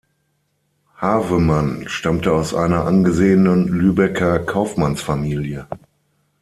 Havemann stammte aus einer angesehenen Lübecker Kaufmannsfamilie.